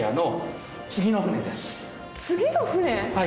次の船？